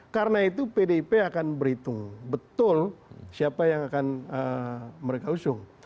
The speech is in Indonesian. karena itu pdip akan berhitung betul siapa yang akan mereka usung